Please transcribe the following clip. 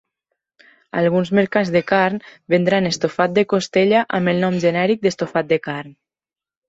Alguns mercats de carn vendran estofat de costella amb el nom genèric d'estofat de carn.